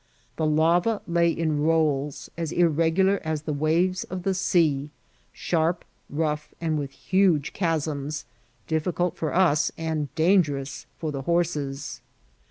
The lava lay in rolls as irregular as the waves of the sea, sharp, rough, and with huge cha«nS| difficult for us and dangerous for the horses.